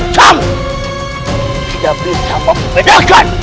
tidak bisa membedakan